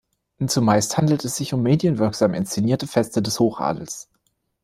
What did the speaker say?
Zumeist handelt es sich um medienwirksam inszenierte Feste des Hochadels.